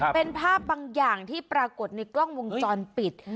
เป็นภาพบางอย่างที่ปรากฏในกล้องวงจรปิด